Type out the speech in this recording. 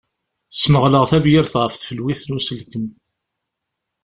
Sneɣleɣ tabyirt ɣef tfelwit n uselkem.